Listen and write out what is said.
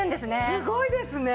すごいですね！